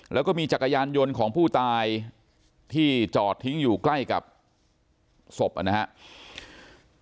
แล้วก็มีจักรยานยนต์ของผู้ตายที่จอดทิ้งอยู่ใกล้กับศพนะครับ